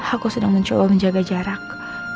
aku sedang mencoba menjaga jarak